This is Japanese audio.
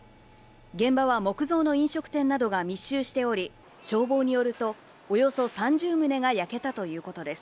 現場は木造の飲食店などが密集しており、消防によると、およそ３０棟が焼けたということです。